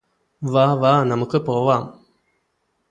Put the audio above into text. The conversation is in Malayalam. വാവാ നമുക്ക് പോവാം